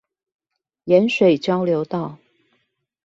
鹽水交流道